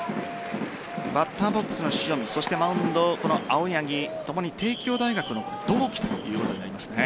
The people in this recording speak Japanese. バッターボックスの塩見マウンドの青柳共に帝京大学の同期ということになりますね。